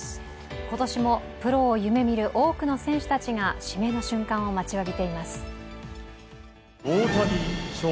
今年もプロを夢見る多くの選手たちが指名の瞬間を待ちわびています。